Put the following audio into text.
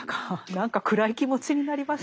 何か暗い気持ちになりましたね。